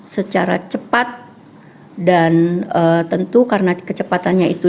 secara cepat dan tentu karena kecepatannya itu